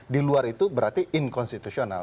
diluar itu berarti inkonstitusional